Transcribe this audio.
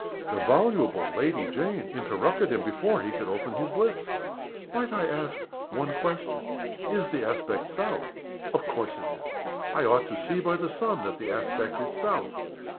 The voluble Lady Jane interrupted him before he could open his lips. "Might I ask one question? Is the aspect south? Of course it is! I ought to see by the sun that the aspect is south.